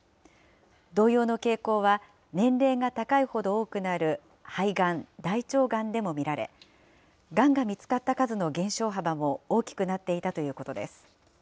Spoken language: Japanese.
同様の傾向は、年齢が高いほど多くなる肺がん、大腸がんでも見られ、がんが見つかった数の減少幅も大きくなっていたということです。